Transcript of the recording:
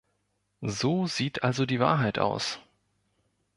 So sieht also die Wahrheit aus.